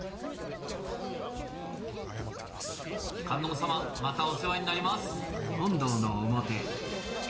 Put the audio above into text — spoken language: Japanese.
観音様またお世話になります。